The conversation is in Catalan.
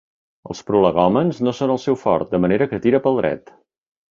Els prolegòmens no són el seu fort, de manera que tira pel dret.